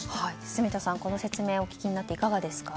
住田さん、この説明をお聞きになっていかがですか。